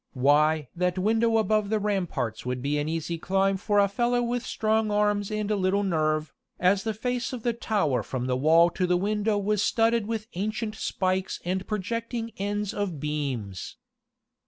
Why, that window above the ramparts would be an easy climb for a fellow with strong arms and a little nerve, as the face of the tower from the wall to the window was studded with ancient spikes and the projecting ends of beams.